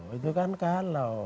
itu kan kalau